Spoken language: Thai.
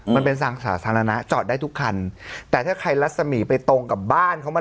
มันเป็นทางสาธารณะจอดได้ทุกคันแต่ถ้าใครรัศมีร์ไปตรงกับบ้านเขามา